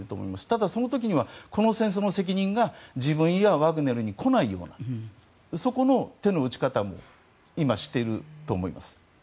ただ、その時にはこの戦争の責任が自分やワグネルに来ないようなそこの手の打ち方も今、していると思います。